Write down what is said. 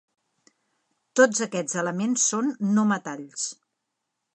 Tots aquests elements són no metalls.